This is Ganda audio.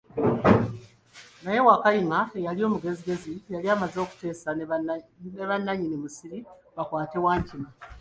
Naye Wakayima eyali omugezigezi yali amaze okuteesa ne bananyini musiri bakwate Wankima .